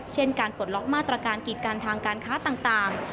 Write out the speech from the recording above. เช่นการปลดล็อกมาตรการกิจกันทางการค้าต่าง